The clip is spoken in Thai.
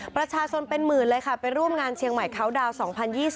ประชาชนเป็นหมื่นเลยค่ะไปร่วมงานเชียงใหม่เขาดาวน์๒๐๒๐